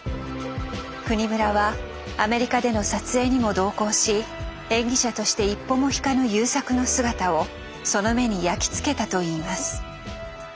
國村はアメリカでの撮影にも同行し演技者として一歩も引かぬ優作の姿をその目に焼き付けたといいます。